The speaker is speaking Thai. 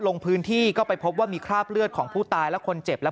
ลงพื้นที่ก็ไปพบว่ามีคราบเลือดของผู้ตายและคนเจ็บและ